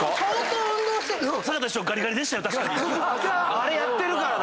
あれやってるからだ！